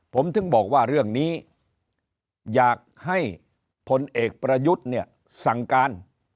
ผมถึงบอกว่าเรื่องนี้อยากให้พลเอกประยุทธ์เนี่ยสั่งการ